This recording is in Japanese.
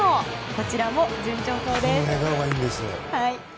こちらも順調そうです。